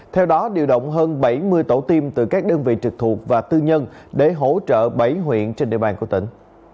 theo đó điều động hơn bảy mươi tổ tiêm từ các đơn vị trực thuộc và tư nhân để hỗ trợ bảy huyện trên địa bàn của tỉnh